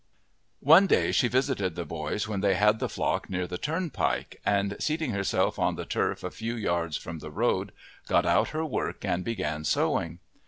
One day she visited the boys when they had the flock near the turnpike, and seating herself on the turf a few yards from the road got out her work and began sewing.